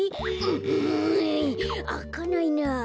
うんあかないなあ。